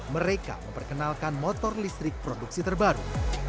mereka memperkenalkan motor listrik produksi terbaru